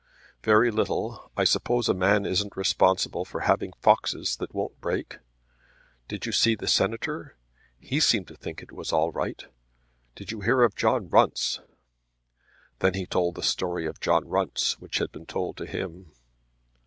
"Very little. I suppose a man isn't responsible for having foxes that won't break. Did you see the Senator? He seemed to think it was all right. Did you hear of John Runce?" Then he told the story of John Runce, which had been told to him.